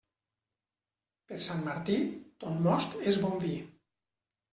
Per Sant Martí, ton most és bon vi.